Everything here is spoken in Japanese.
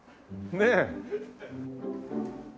ねえ。